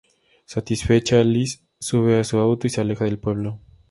Satisfecha, Alice sube a su auto y se aleja del pueblo.